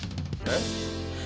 えっ！